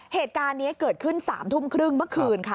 เหตุการณ์นี้เกิดขึ้น๓ทุ่มครึ่งเมื่อคืนค่ะ